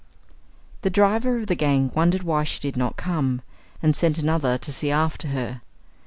The driver of the gang wondered why she did not come, and sent another to see after her.